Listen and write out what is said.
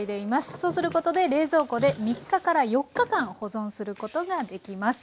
そうすることで冷蔵庫で３日から４日間保存することができます。